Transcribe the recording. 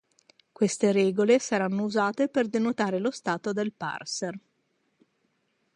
Queste regole saranno usate per denotare lo stato del parser.